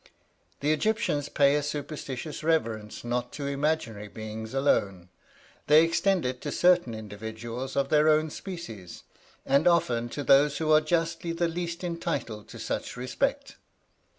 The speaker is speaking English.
"The Egyptians pay a superstitious reverence not to imaginary beings alone: they extend it to certain individuals of their own species; and often to those who are justly the least entitled to such respect.